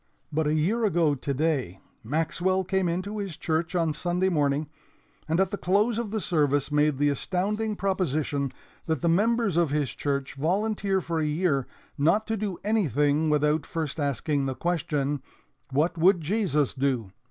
"But a year ago today Maxwell came into his church on Sunday morning, and at the close of the service made the astounding proposition that the members of his church volunteer for a year not to do anything without first asking the question, 'What would Jesus do?'